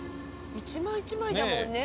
一枚一枚だもんね